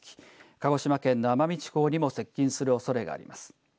鹿児島県の奄美地方にも接近するおそれがあります。